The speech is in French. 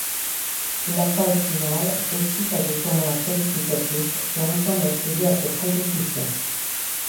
La phase finale fait suite à des tournois qualificatifs permettant d'accéder à cette compétition.